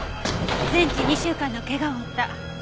全治２週間の怪我を負った。